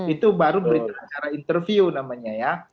itu baru bicara interview namanya ya